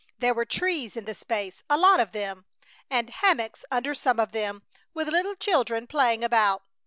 There were trees in the space a lot of them and hammocks under some of them, with little children playing about.